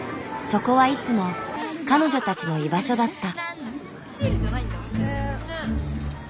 そこはいつも彼女たちの居場所だった。